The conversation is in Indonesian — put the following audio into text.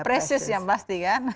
precious yang pasti kan